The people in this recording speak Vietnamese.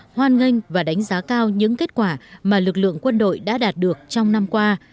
hoan nghênh và đánh giá cao những kết quả mà lực lượng quân đội đã đạt được trong năm qua